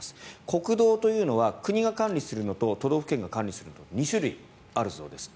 国道というのは国が管理するのと都道府県が管理するのと２種類あるそうです。